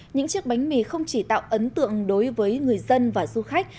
những chiếc bánh mì không chỉ tạo ấn tượng đối với người dân và du khách